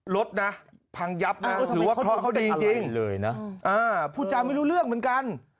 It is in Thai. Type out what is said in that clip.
รถนะพังยับนะถือว่าเคราะห์เขาดีจริงพูดจาไม่รู้เรื่องเหมือนกัน